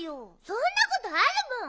そんなことあるもん！